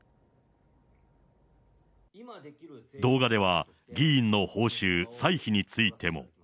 動画では、議員の報酬、歳費についても。